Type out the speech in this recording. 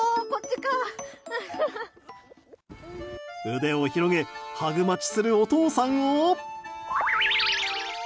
腕を広げハグ待ちするお父さんを。